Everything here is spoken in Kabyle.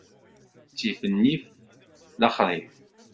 Ttif nnif, lexṛif.